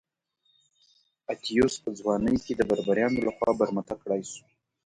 اتیوس په ځوانۍ کې د بربریانو لخوا برمته کړای شو.